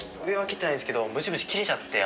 切ってないですけどブチブチ切れちゃって。